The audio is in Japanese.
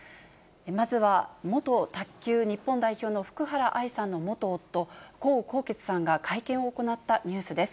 まずは元卓球日本代表の福原愛さんの元夫、江宏傑さんが会見を行ったニュースです。